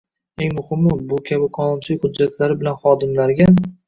Eng muhimi, bu kabi qonunchilik hujjatlari bilan xodimlarga